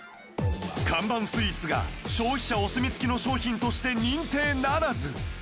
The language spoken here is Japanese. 看板スイーツが消費者お墨付きの商品として認定ならず